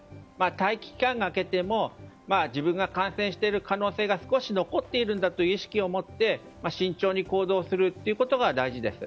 待機期間が明けても自分が感染している可能性が少し残っているんだという意識を持って慎重に行動することが大事です。